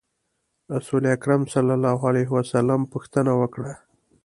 رسول اکرم صلی الله علیه وسلم پوښتنه وکړه.